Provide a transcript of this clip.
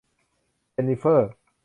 เจนนิเฟอร์